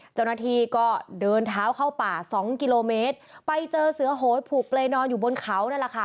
เจ้าหน้าที่ก็เดินเท้าเข้าป่าสองกิโลเมตรไปเจอเสือโหยผูกเปรยนอนอยู่บนเขานั่นแหละค่ะ